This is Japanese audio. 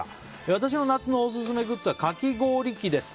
私の夏のオススメグッズはかき氷器です。